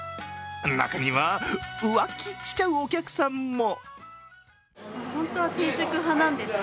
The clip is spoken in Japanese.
中には、浮気しちゃうお客さんも。